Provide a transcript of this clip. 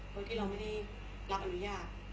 โดยที่เราไม่ได้รับอนุญาต